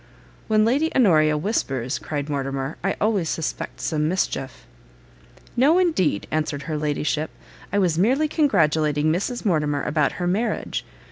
"When Lady Honoria whispers," cried Mortimer, "I always suspect some mischief." "No indeed," answered her ladyship, "I was merely congratulating Mrs Mortimer about her marriage.